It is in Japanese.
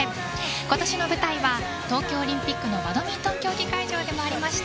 今年の舞台は東京オリンピックのバドミントン競技会場でもありました